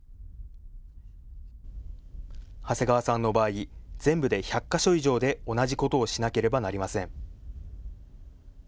長谷川さんの場合、全部で１００か所以上で同じことをしなければなりません。